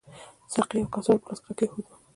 ساقي یوه کڅوړه په لاس کې راکېښودل.